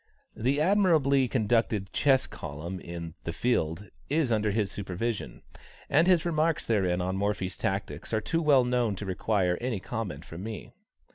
The admirably conducted chess column in The Field, is under his supervision; and his remarks therein on Morphy's tactics are too well known to require any comment from me.